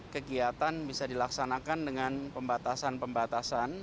kegiatan bisa dilaksanakan dengan pembatasan pembatasan